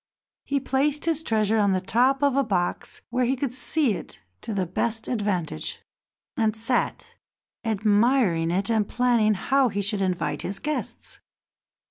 He placed his treasure on the top of a box where he could see it to the best advantage, and sat admiring it and planning how he should invite his guests.